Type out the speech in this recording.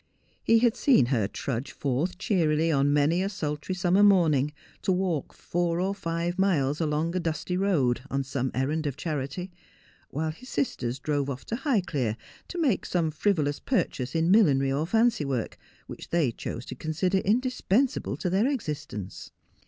He had seen her trudge forth cheerily on many a sultry summer morning, to walk four or rive miles along a dusty road, on some errand of charity ; while his sisters drove off to Highclere to make some frivolous purchase in millinery or fancy work, which they chose to consider indis pensable to their existence.